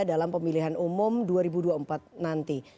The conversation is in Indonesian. dalam pemilihan umum dua ribu dua puluh empat nanti